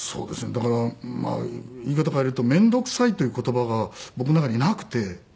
だから言い方変えるとめんどくさいという言葉が僕の中になくて。